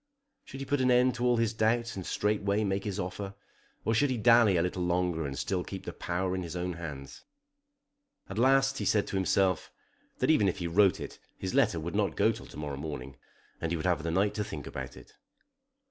Should he put an end to all his doubts and straightway make his offer, or should he dally a little longer and still keep the power in his own hands? At last he said to himself that even if he wrote it his letter would not go till to morrow morning, and he would have the night to think about it.